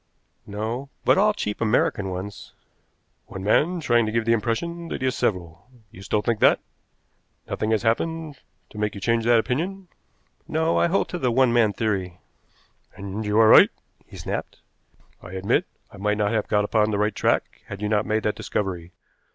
"No, but all cheap American ones." "One man trying to give the impression that he is several. You still think that? Nothing has happened to make you change that opinion?" "No, I hold to the one man theory." "And you are right," he snapped. "I admit I might not have got upon the right track had you not made that discovery.